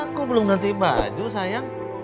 aku belum nanti baju sayang